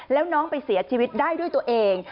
แล้วน้องไปเสียชีวิตได้ด้วยตัวเอง